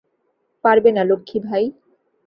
পারবে না লক্ষ্মী ভাই?